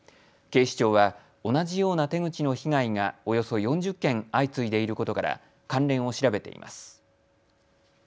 警視庁は同じような手口の被害がおよそ４０件、相次いでいることから関連を調べています。